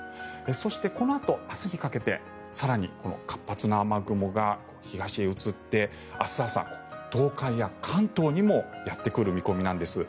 そしてこのあと明日にかけて更に活発な雨雲が東へ移って明日朝、東海や関東にもやってくる見込みなんです。